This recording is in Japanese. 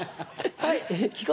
はい。